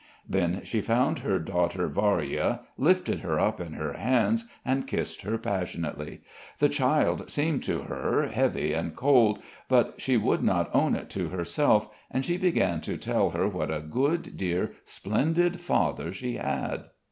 Then she found her daughter Varya, lifted her up in her hands and kissed her passionately; the child seemed to her heavy and cold, but she would not own it to herself, and she began to tell her what a good, dear, splendid father she had.